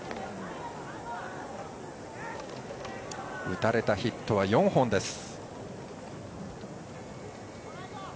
打たれたヒットは４本です。